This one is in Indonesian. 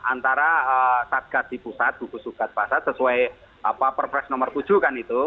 antara saat gas di pusat buku sukat pasat sesuai perpres nomor tujuh kan itu